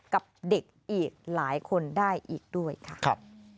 กับเด็กอีกหลายคนได้อีกด้วยค่ะ